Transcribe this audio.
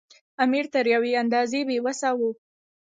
امیر تر یوې اندازې بې وسه وو.